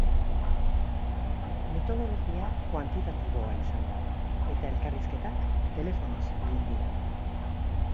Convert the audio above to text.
Metodologia kuantitatiboa izan da, eta elkarrizketak telefonoz egin dira.